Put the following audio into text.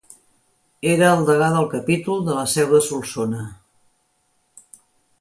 Era el degà del capítol de la seu de Solsona.